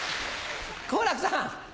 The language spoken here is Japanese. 好楽さん！